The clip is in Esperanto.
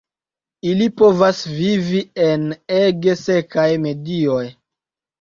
Ili povas vivi en ege sekaj medioj.